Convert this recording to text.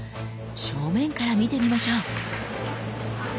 正面から見てみましょう。